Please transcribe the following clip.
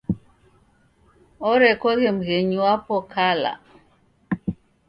Orekoghe mghenyu wapo kala.